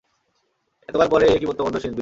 এতকাল পরে এ কী প্রত্যাবর্তন বিন্দুর?